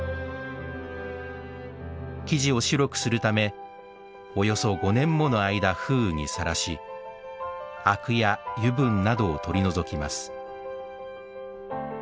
木地を白くするためおよそ５年もの間、風雨にさらしあくや油分などを取り除きます。